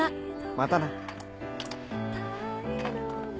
またな。